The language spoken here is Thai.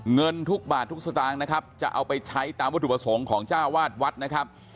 เงินทุกบาททุกสตางค์นะครับจะเอาไปใช้ตามวัตถุประสงค์ของเจ้าวาดวัดนะครับ